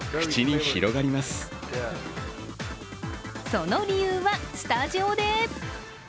その理由はスタジオで。